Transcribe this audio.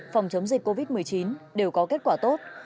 phòng chống dịch covid một mươi chín đều có kết quả tốt